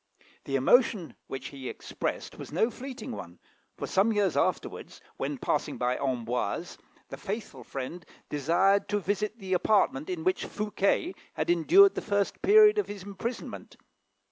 The emotion which he expressed was no fleeting one, for, some years afterwards, when passing by Amboise, the faithful friend desired to visit the apartment in which Fouquet had endured the first period of his imprisonment.